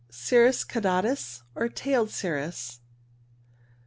Cirrus caudatus, or Tailed cirrus.